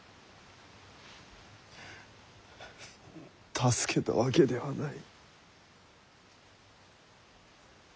助けたわけではない。